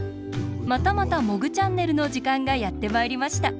またまた「モグチャンネル」のじかんがやってまいりました。